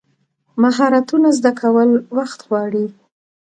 مهارتونه زده کول وخت غواړي.